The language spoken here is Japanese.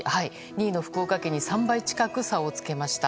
２位の福岡県に３倍近く差をつけました。